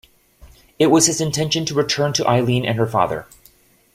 It was his intention to return to Eileen and her father.